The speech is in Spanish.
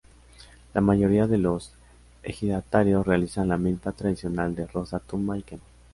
La mayoría de los ejidatarios realizan la milpa tradicional de roza-tumba y quema.